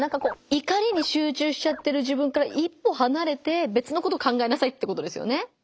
怒りに集中しちゃってる自分から一歩はなれて別のことを考えなさいってことですよね。